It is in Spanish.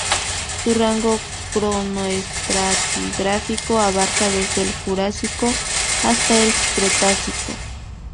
Su rango cronoestratigráfico abarca desde el Jurásico hasta el Cretácico.